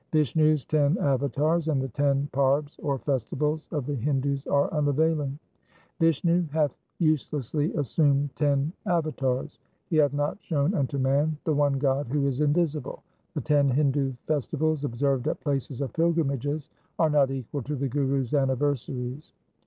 2 Vishnu's ten avatars and the ten parbs or festivals of the Hindus are unavailing :— Vishnu hath uselessly assumed ten avatars ; he hath not shown unto man the one God who is invisible. 3 The ten Hindu festivals observed at places of pilgrimages are not equal to the Guru's anniversaries.